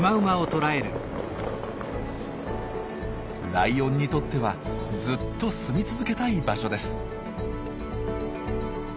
ライオンにとってはずっと住み続けたい場所です。